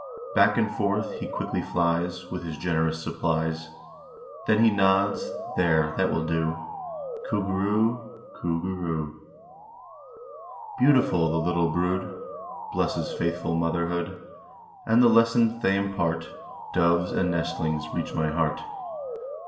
Back and forth he quickly flies With his generous supplies, Then he nods, "There, that will do Coo goo roo o o, Coo goo roo o o." Beautiful, the little brood Blesses faithful motherhood, And the lessons they impart, Doves and nestlings, reach my heart.